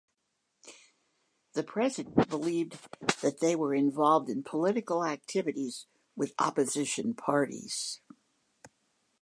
The President believed that they were involved in political activities with opposition parties.